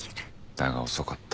だが遅かった。